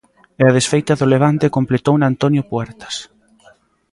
E a desfeita do Levante completouna Antonio Puertas.